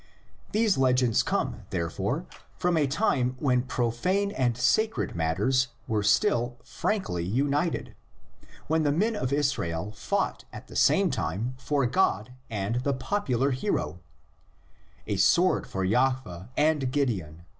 These legends come, therefore, from a time when profane and sacred matters were still frankly united, when the men of Israel fought at the same time for God and the popular hero ("a sword for Jahveh and Gideon!"